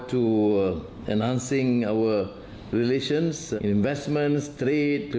ตอนนี้อาเซียมั่นซึ่งจะมีไม่มีช่วงตอนนี้